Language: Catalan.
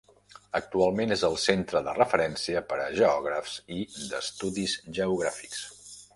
Actualment és el centre de referència per a geògrafs i d'estudis geogràfics.